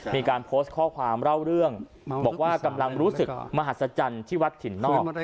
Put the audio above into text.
มีการโพสต์ข้อความเล่าเรื่องบอกว่ากำลังรู้สึกมหัศจรรย์ที่วัดถิ่นนอก